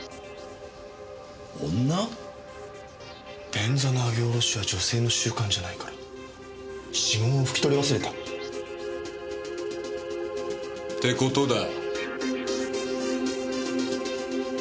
便座の上げ下ろしは女性の習慣じゃないから指紋を拭き取り忘れた！って事だ。